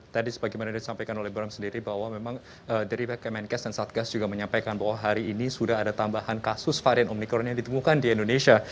tadi sebagaimana disampaikan oleh bram sendiri bahwa memang dari kemenkes dan satgas juga menyampaikan bahwa hari ini sudah ada tambahan kasus varian omikron yang ditemukan di indonesia